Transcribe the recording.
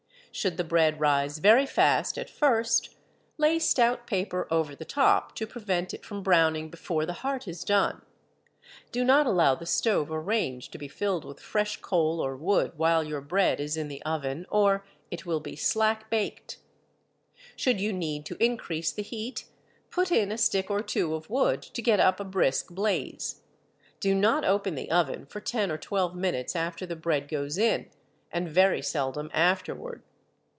Should the bread rise very fast at first, lay stout paper over the top to prevent it from browning before the heart is done. Do not allow the stove or range to be filled with fresh coal or wood while your bread is in the oven, or it will be "slack baked." Should you need to increase the heat, put in a stick or two of wood to get up a brisk blaze. Do not open the oven for ten or twelve minutes after the bread goes in, and very seldom afterward.